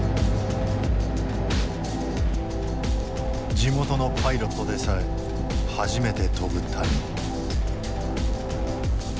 地元のパイロットでさえ初めて飛ぶ谷。